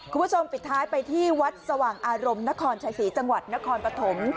คุณผู้ชมปิดท้ายไปที่วัดสว่างอารมณ์นครชัยศรีจังหวัดนครปฐม